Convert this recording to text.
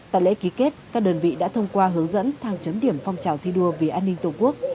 tại lễ ký kết các đơn vị đã thông qua hướng dẫn thăng chấm điểm phong trào thi đua vì an ninh tổ quốc